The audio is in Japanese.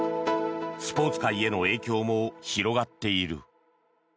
スポーツ界への影響も広がっている。